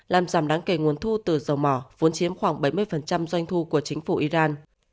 làm giảm đáng kể nguồn thu từ dầu mỏ vốn chiếm khoảng bảy mươi doanh thu của chính phủ iran